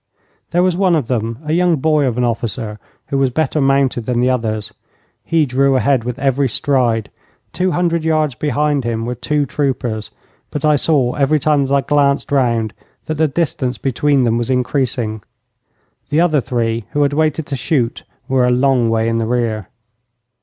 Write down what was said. There was one of them, a young boy of an officer, who was better mounted than the others. He drew ahead with every stride. Two hundred yards behind him were two troopers, but I saw every time that I glanced round that the distance between them was increasing. The other three who had waited to shoot were a long way in the rear.